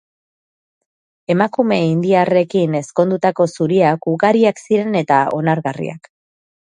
Emakume indiarrekin ezkondutako zuriak ugariak ziren eta onargarriak.